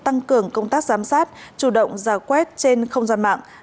tăng cường công tác giám sát chủ động giả quét trên không gian mạng